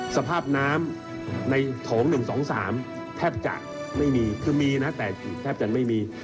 สภาพน้ำในโถง๑๒๓แทบจะไม่มีคือมีนะแต่แทบจะไม่มี